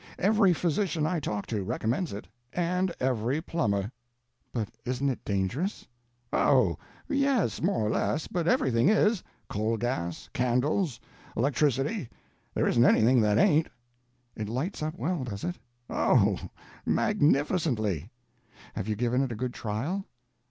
Every physician I talk to, recommends it; and every plumber." "But isn't it dangerous?" "O, yes, more or less, but everything is—coal gas, candles, electricity —there isn't anything that ain't." "It lights up well, does it?" "O, magnificently." "Have you given it a good trial?"